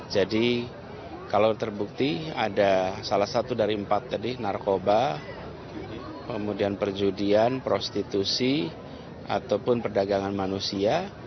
jadi kalau terbukti ada salah satu dari empat tadi narkoba kemudian perjudian prostitusi ataupun perdagangan manusia